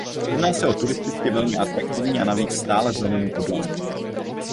Jedná se o turisticky velmi atraktivní a navíc stále zelenou oblast.